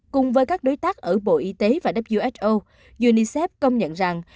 cùng với các đối tác ở bộ y tế và who unicef công nhận rằng